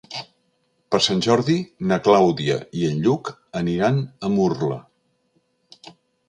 Per Sant Jordi na Clàudia i en Lluc aniran a Murla.